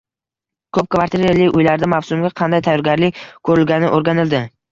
Ko‘p kvartirali uylarda mavsumga qanday tayyorgarlik ko‘rilgani o‘rganildi